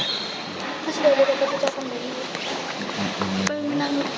terus sudah ada tetap pecah pembeli